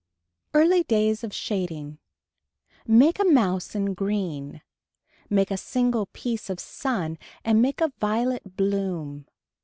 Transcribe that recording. Early days of shading. Make a mouse in green. Make a single piece of sun and make a violet bloom.